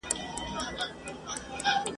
پر دې ښار باندي ماتم دی ساندي اوري له اسمانه ..